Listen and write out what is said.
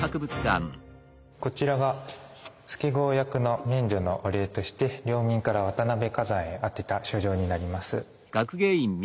こちらが助郷役の免除のお礼として領民から渡辺崋山へ宛てた書状になります。